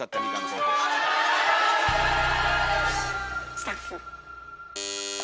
スタッフ。